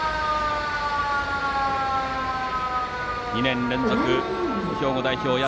２年連続、兵庫代表の社。